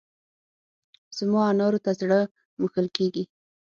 زما انارو ته زړه مښل کېږي.